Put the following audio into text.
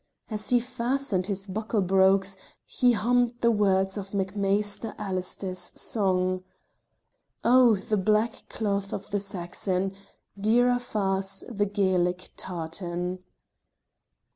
As he fastened his buckled brogues, he hummed the words of MacMhaister Allister's songs: "Oh! the black cloth of the Saxon, Dearer far's the Gaelic tartan!"